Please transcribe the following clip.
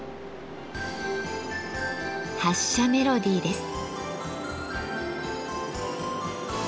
発車メロディーです。